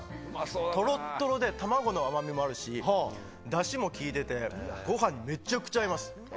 とろっとろで卵の甘みもあるし、だしも効いてて、ごはんにめちゃくちゃ合います。